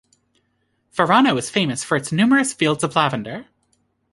Furano is famous for its numerous fields of lavender.